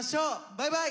バイバイ！